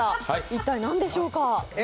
一体何でしょうか？